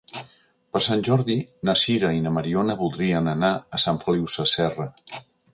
Per Sant Jordi na Sira i na Mariona voldrien anar a Sant Feliu Sasserra.